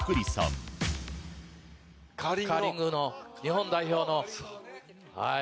カーリングの日本代表の。